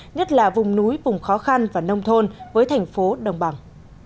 nhất là vùng núi vùng khó khăn và nông thôn với thành phố đồng bằng